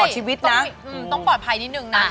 ใช่ต้องปลอดภัยนิดนึงนะ